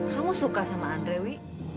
kamu suka sama andre wi